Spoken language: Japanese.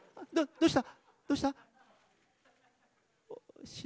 どうした。